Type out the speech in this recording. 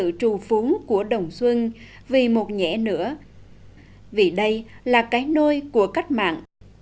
chúng tôi chọn la hai để chứng minh sự trù phú của đồng xuân vì một nhẹ nữa vì đây là cái nôi của cách mạng